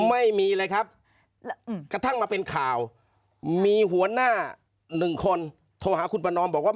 ไม่มีเลยครับกระทั่งมาเป็นข่าวมีหัวหน้าหนึ่งคนโทรหาคุณประนอมบอกว่า